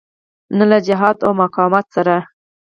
نه له جهاد او مقاومت سره.